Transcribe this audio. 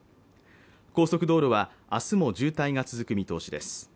高速道路は、明日も渋滞が続く見通しです。